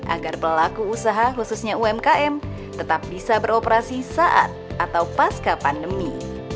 agar pelaku usaha khususnya umkm tetap bisa beroperasi saat atau pasca pandemi